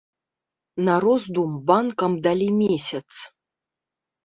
На роздум банкам далі месяц.